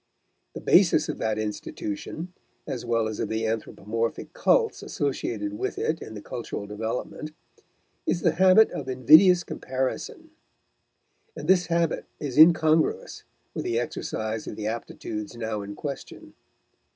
The basis of that institution, as well as of the anthropomorphic cults associated with it in the cultural development, is the habit of invidious comparison; and this habit is incongruous with the exercise of the aptitudes now in question.